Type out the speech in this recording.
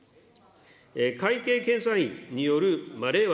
会計検査院による令和